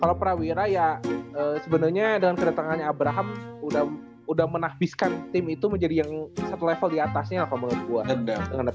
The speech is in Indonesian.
kalau prawira ya sebenarnya dengan kedatangannya abraham udah menahbiskan tim itu menjadi yang satu level diatasnya kalau menurut gue